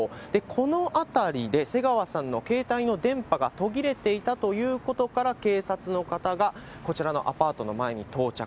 この辺りで、瀬川さんの携帯の電波が途切れていたということから、警察の方がこちらのアパートの前に到着。